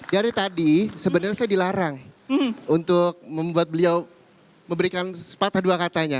jadi tadi sebenarnya saya dilarang untuk membuat beliau memberikan sepatah dua katanya